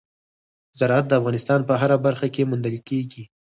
زراعت د افغانستان په هره برخه کې موندل کېږي.